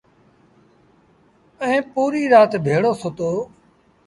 ائيٚݩ پوريٚ رآت ڀيڙو سُتو